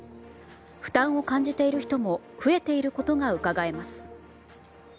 負担を感じている人も増えていることがうかがえます。